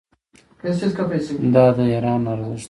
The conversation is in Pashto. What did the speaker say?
دا د ایران ارزښت دی.